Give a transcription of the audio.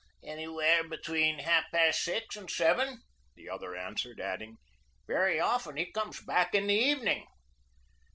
"Anywhere between half past six and seven," the other answered, adding, "Very often he comes back in the evening."